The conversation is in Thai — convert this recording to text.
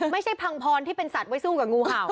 ไม่ใช่พังพอร์นที่เป็นสัตว์ไว้สู้กับงูเห่า